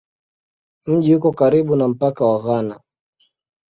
Mji uko karibu na mpaka wa Ghana.